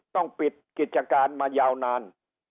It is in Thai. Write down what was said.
ต้องปิดกิจการมายาวนาน